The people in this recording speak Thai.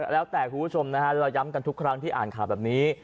แล้วแต่คุณผู้ชมนะฮะเราย้ำกันทุกครั้งที่อ่านข่าวแบบนี้